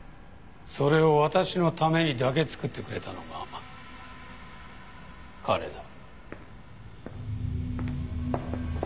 それを私のためにだけ作ってくれたのが彼だ。